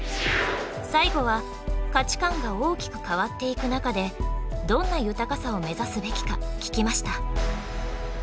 最後は価値観が大きく変わっていく中でどんな豊かさを目指すべきか聞きました。